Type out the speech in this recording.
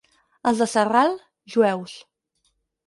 Els de Sarral, jueus.